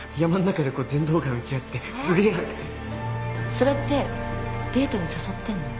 それってデートに誘ってんの？